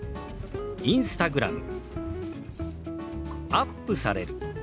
「アップされる」。